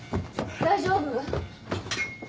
大丈夫？